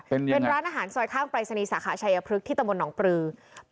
เป็นร้านอาหารซอยข้างปรายศนีย์สาขาชัยพฤกษ์ตะบนหนองปลือ